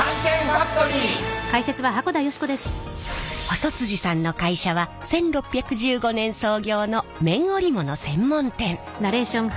細さんの会社は１６１５年創業の綿織物専門店。